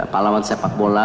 palawan sepak bola